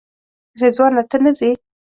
رضوانه ته نه ځې؟